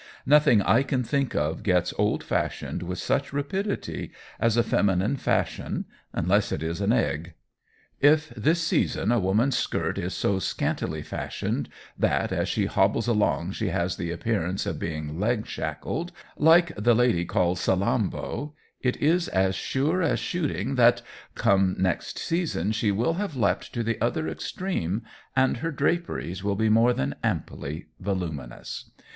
Nothing I can think of gets old fashioned with such rapidity as a feminine fashion unless it is an egg. If this season a woman's skirt is so scantily fashioned that as she hobbles along she has the appearance of being leg shackled, like the lady called Salammbo, it is as sure as shooting that, come next season, she will have leapt to the other extreme and her draperies will be more than amply voluminous.